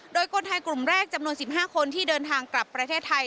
โดยคนไทยกลุ่มแรกจำนวน๑๕คนที่เดินทางกลับประเทศไทย